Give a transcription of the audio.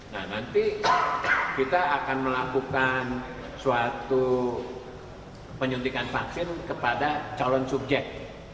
nah nanti kita akan melakukan suatu penyuntikan vaksin kepada calon subjek